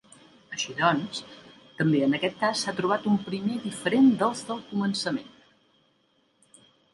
Així doncs, també en aquest cas s'ha trobat un primer diferent dels del començament.